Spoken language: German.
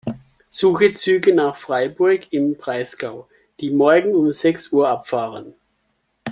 Suche Züge nach Freiburg im Breisgau, die morgen um sechs Uhr abfahren.